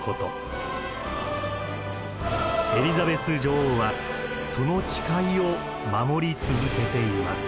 エリザベス女王はその誓いを守り続けています。